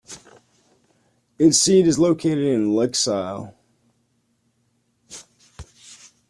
Its seat is located in Lycksele.